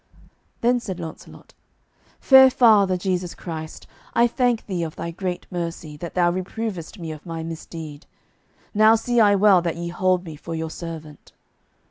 Then said Launcelot, "Fair Father Jesu Christ, I thank thee of Thy great mercy, that Thou reprovest me of my misdeed. Now see I well that ye hold me for your servant."